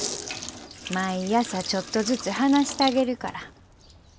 毎朝ちょっとずつ話したげるから。